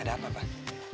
ada apa pak